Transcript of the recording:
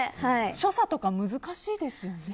所作とか難しいですよね。